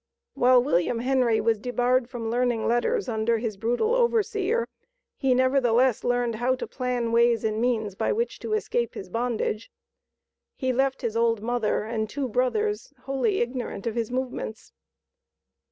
While William Henry was debarred from learning letters under his brutal overseer, he nevertheless learned how to plan ways and means by which to escape his bondage. He left his old mother and two brothers wholly ignorant of his movements.